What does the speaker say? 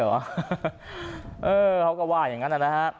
เออเขาก็ว่าอย่างนั้นนะฮะ